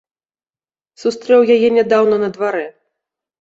Сустрэў яе нядаўна на дварэ.